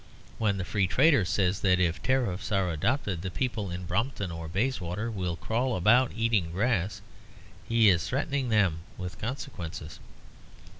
When the Free Trader says that if Tariffs are adopted the people in Brompton or Bayswater will crawl about eating grass, he is threatening them with consequences.